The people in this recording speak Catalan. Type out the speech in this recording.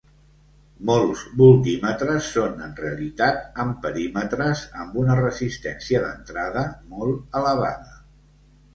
Molts voltímetres són en realitat amperímetres amb una resistència d'entrada molt elevada.